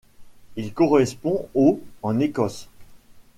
Il correspond au en Écosse.